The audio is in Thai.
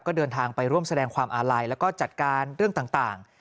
ก็เดินทางไปร่วมแสดงความอาลัยแล้วก็จัดการเรื่องต่าง